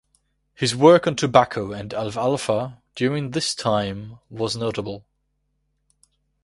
His work on tobacco and alfalfa during this time was notable.